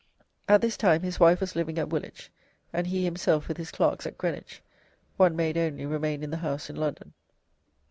At this time his wife was living at Woolwich, and he himself with his clerks at Greenwich; one maid only remained in the house in London.